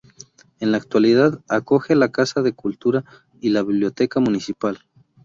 En la actualidad acoge la casa de cultura y la biblioteca municipal.